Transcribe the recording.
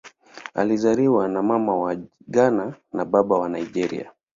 Amezaliwa na Mama wa Ghana na Baba wa Nigeria.